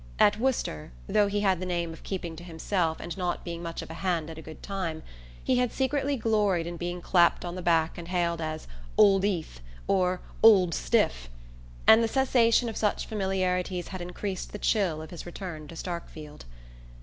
At Worcester, though he had the name of keeping to himself and not being much of a hand at a good time, he had secretly gloried in being clapped on the back and hailed as "Old Ethe" or "Old Stiff"; and the cessation of such familiarities had increased the chill of his return to Starkfield.